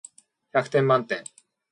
百点満点